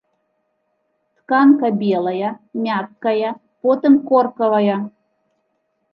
Тканка белая, мяккая, потым коркавая.